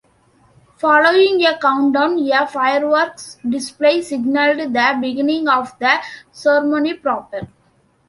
Following a countdown, a fireworks display signalled the beginning of the ceremony proper.